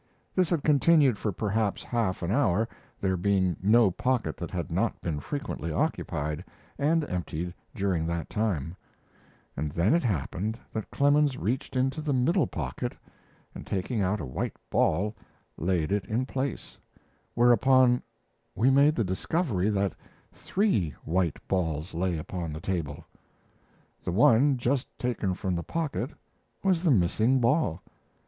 This had continued for perhaps half an hour, there being no pocket that had not been frequently occupied and emptied during that time; but then it happened that Clemens reached into the middle pocket, and taking out a white ball laid it in place, whereupon we made the discovery that three white balls lay upon the table. The one just taken from the pocket was the missing ball.